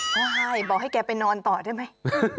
ก็ให้บอกให้แกไปนอนต่อได้ไหม